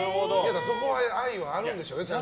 そこは愛はあるんでしょうね。